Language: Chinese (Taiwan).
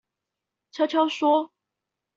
悄悄說